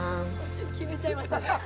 決めちゃいましたね。